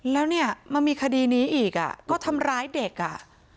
แล้วเนี่ยมันมีคดีนี้อีกอ่ะก็ทำร้ายเด็กอ่ะ